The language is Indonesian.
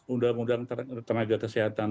undang undang tenaga kesehatan